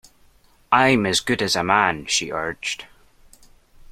I'm as good as a man, she urged.